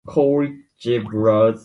Born Lord William Douglas.